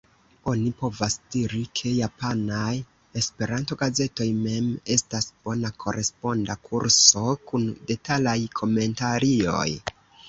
Oni povas diri, ke japanaj E-gazetoj mem estas bona koresponda kurso kun detalaj komentarioj.